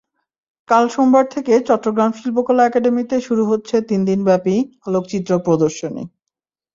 কাল সোমবার থেকে চট্টগ্রাম শিল্পকলা একাডেমিতে শুরু হচ্ছে তিন দিনব্যাপী আলোকচিত্র প্রদর্শনী।